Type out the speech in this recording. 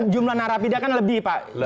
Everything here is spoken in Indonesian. jumlah narapida kan lebih pak